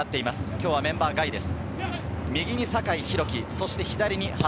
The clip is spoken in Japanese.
今日はメンバー外です。